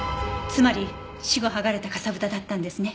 つまり死後剥がれたかさぶただったんですね。